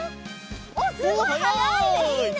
おおすごいはやいね！